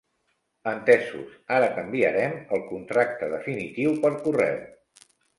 Entesos, ara t'enviarem el contracte definitiu per correu.